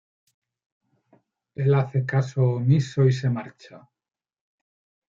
Él hace caso omiso y se marcha.